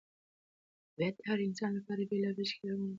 طبیعت د هر انسان لپاره بېلابېل ښکلي رنګونه لري.